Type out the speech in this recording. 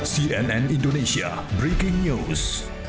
cnn indonesia breaking news